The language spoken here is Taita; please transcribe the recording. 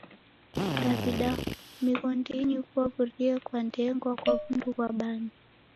Daw'ida mighondinyi kwaw'uriye kwa ndengwa kwa w'undu ghwa bangi.